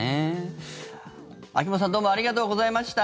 秋本さんどうもありがとうございました。